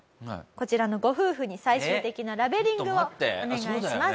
こちらのご夫婦に最終的なラベリングをお願いします。